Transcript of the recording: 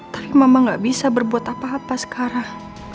tapi mama gak bisa berbuat apa apa sekarang